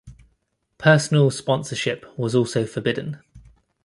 Personal sponsorship was also forbidden.